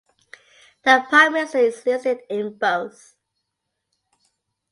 The Prime Minister is listed in both.